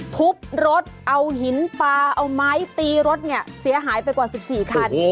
ทุบรถเอาหินปลาเอาไม้ตีรถเนี่ยเสียหายไปกว่า๑๔คัน